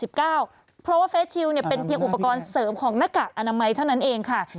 เพราะว่าเฟสชิลเป็นเพียงอุปกรณ์เสริมของหน้ากากอนามัยเท่านั้นเองค่ะ